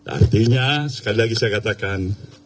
artinya sekali lagi saya katakan